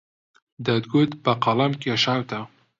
دەتگوت بە قەڵەم کێشاوتە